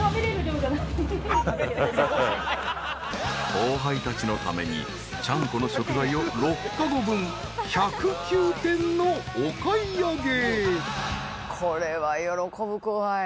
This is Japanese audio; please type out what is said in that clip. ［後輩たちのためにちゃんこの食材を６籠分１０９点のお買い上げ］